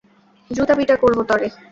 জুতা পিটা করবো তরে।